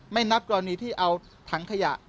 นับกรณีที่เอาถังขยะ